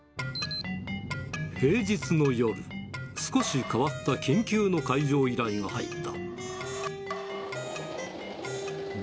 平日の夜、少し変わった緊急の開錠依頼が入った。